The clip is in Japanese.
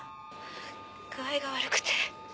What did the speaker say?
具合が悪くて。